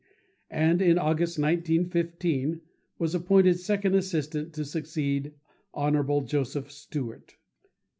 and in August, 1915, was appointed Second Assistant to succeed Hon. Joseph Stewart.